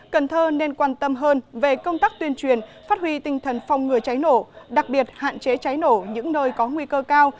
cần thơ nên quan tâm hơn về công tác tuyên truyền phát huy tinh thần phòng ngừa cháy nổ đặc biệt hạn chế cháy nổ những nơi có nguy cơ cao